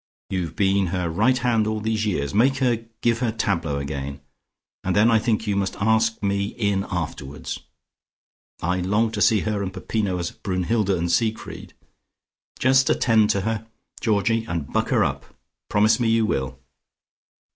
You've been her right hand all these years. Make her give her tableaux again. And then I think you must ask me in afterwards. I long to see her and Peppino as Brunnhilde and Siegfried. Just attend to her, Georgie, and buck her up. Promise me you will.